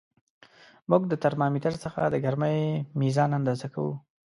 موږ د ترمامتر څخه د ګرمۍ میزان اندازه کوو.